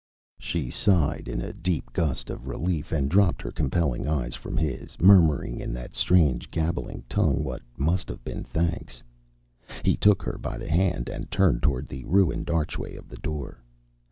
She sighed in a deep gust of relief and dropped her compelling eyes from his, murmuring in that strange, gabbling tongue what must have been thanks. He took her by the hand and turned toward the ruined archway of the door.